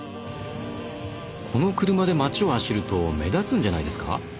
この車で街を走ると目立つんじゃないですか？